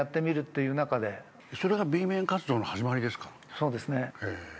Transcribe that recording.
そうですね。